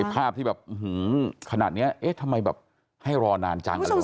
ภาพที่แบบอืมขนาดเนี้ยเอ๊ะทำไมแบบให้รอนานจัง